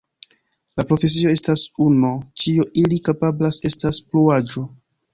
La profesio estas uno, ĉio ili kapablas estas pluaĵo.